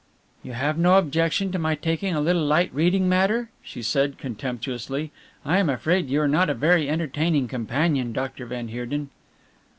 "You have no objection to my taking a little light reading matter?" she asked contemptuously. "I am afraid you are not a very entertaining companion, Dr. van Heerden."